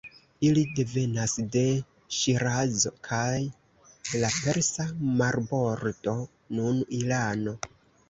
Ili devenas de Ŝirazo kaj la persa marbordo (nun Irano).